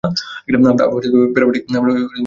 আমরা প্যারামেডিককে রেখে দেব।